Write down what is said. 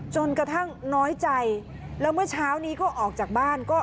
จนกระทั่งน้อยใจแล้วเมื่อเช้านี้ก็ออกจากบ้าน